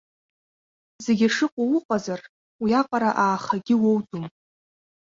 Зегьы шыҟоу уҟазар, уиаҟара аахагьы уоуӡом.